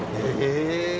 え。